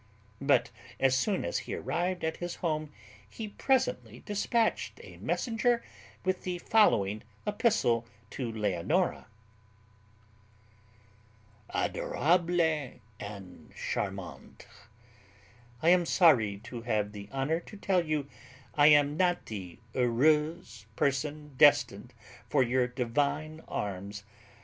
But as soon as he arrived at his home he presently despatched a messenger with the following epistle to Leonora: "ADORABLE AND CHARMANTE, I am sorry to have the honour to tell you I am not the heureux person destined for your divine arms.